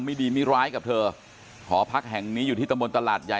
ไม่ดีไม่ร้ายกับเธอหอพักแห่งนี้อยู่ที่ตำบลตลาดใหญ่